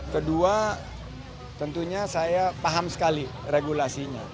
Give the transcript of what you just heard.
kedua tentunya saya paham sekali regulasinya